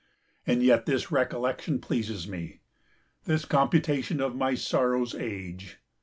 And yet this recollection pleases me, This computation of my sorrow's age.